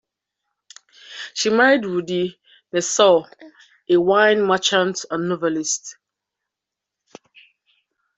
She married Rudi Nassauer, a wine merchant and novelist.